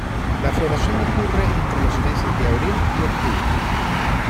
La floración ocurre entre los meses de abril y octubre.